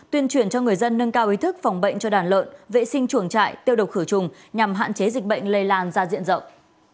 tuyên truyền cho người dân nâng cao ý thức phòng bệnh cho đàn lợn vệ sinh chuồng trại tiêu độc khử trùng nhằm hạn chế dịch bệnh lây lan ra diện rộng